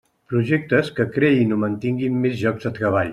Projectes que creïn o mantinguin més llocs de treball.